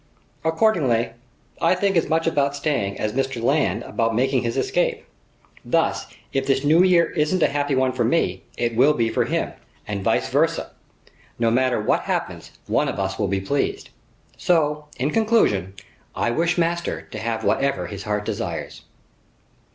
"Accordingly, I think as much about staying as Mr. Land about making his escape. Thus, if this new year isn't a happy one for me, it will be for him, and vice versa. No matter what happens, one of us will be pleased. So, in conclusion, I wish master to have whatever his heart desires."